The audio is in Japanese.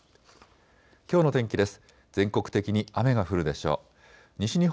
きょうの天気です。